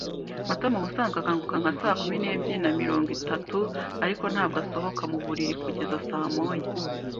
Matama ubusanzwe akanguka nka saa kumi n'ebyiri na mirongo itatu, ariko ntabwo asohoka muburiri kugeza saa moya.